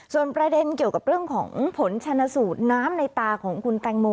ส่วนประเด็นเกี่ยวกับเรื่องของผลชนสูตรน้ำในตาของคุณแตงโม